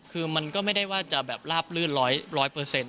คือมันก็ไม่ได้ว่าจะแบบราบลื่น